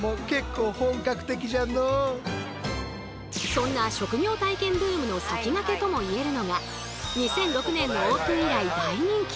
そんな職業体験ブームの先駆けとも言えるのが２００６年のオープン以来大人気！